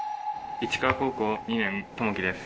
市川高校２年ともきです。